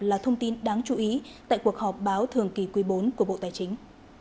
là thông tin đáng chú ý tại cuộc họp báo thường kỳ quý bốn của bộ tài chính